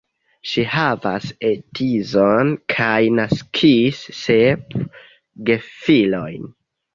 Ŝi havas edzon, kaj naskis sep gefilojn.